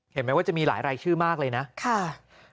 เห็นไหมว่าจะมีหลายรายชื่อมากเลยนะค่ะ